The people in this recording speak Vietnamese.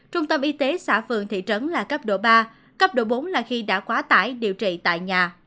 trung tâm y tế xã phường thị trấn là cấp độ ba cấp độ bốn là khi đã quá tải điều trị tại nhà